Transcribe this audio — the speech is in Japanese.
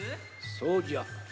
そうじゃ。